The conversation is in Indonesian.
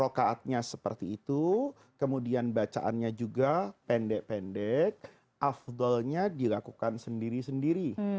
rokaatnya seperti itu kemudian bacaannya juga pendek pendek afdolnya dilakukan sendiri sendiri